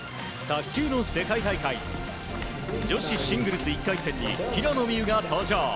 卓球の世界大会女子シングルス１回戦に平野美宇が登場。